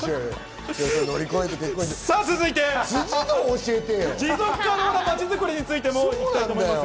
続いて持続可能な街づくりについてもいきたいと思います。